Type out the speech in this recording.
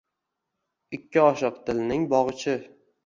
Ikki oshiq dilning bogʼichi.